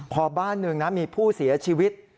พอบ้านหนึ่งนะมีผู้เสียชีวิต